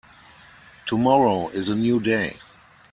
Tomorrow is a new day.